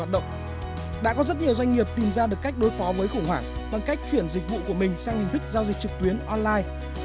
đã có rất nhiều doanh nghiệp tìm ra được cách đối phó với khủng hoảng bằng cách chuyển dịch vụ của mình sang hình thức giao dịch trực tuyến online